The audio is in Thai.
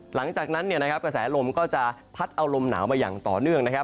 หลังจากนั้นกระแสลมก็จะพัดเอาลมหนาวมาอย่างต่อเนื่องนะครับ